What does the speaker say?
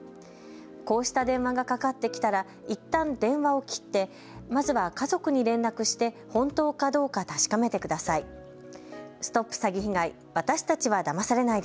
こうした電話がかかってきたらいったん電話を切って、まずは家族に連絡して本当かどうか確かめてください。